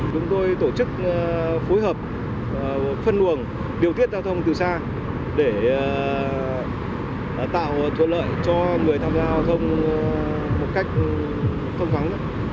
chúng tôi tổ chức phối hợp phân luồng điều tiết giao thông từ xa để tạo thuận lợi cho người tham gia giao thông một cách thông vắng